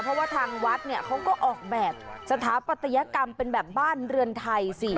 เพราะว่าทางวัดเนี่ยเขาก็ออกแบบสถาปัตยกรรมเป็นแบบบ้านเรือนไทยสิ